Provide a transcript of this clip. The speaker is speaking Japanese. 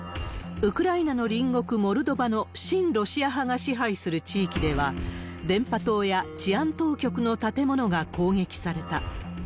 ウクライナの隣国、モルドバの親ロシア派が支配する地域では、電波塔や治安当局の建物が攻撃された。